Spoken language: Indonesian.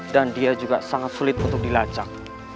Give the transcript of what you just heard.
dan dia juga sangat sulit untuk dilacak